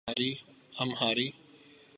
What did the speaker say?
امہاری